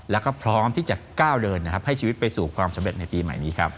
แล้วก็พร้อมที่จะก้าวเดินนะครับให้ชีวิตไปสู่ความสำเร็จในปีใหม่นี้ครับ